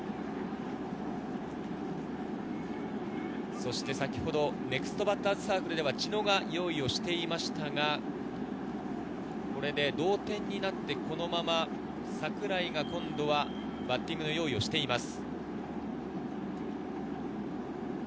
そして先ほどネクストバッターズサークルでは知野が用意をしていましたが、これで同点になって、このまま櫻井が今度はバッティングの用意をしています。